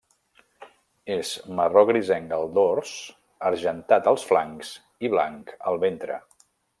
És marró grisenc al dors, argentat als flancs i blanc al ventre.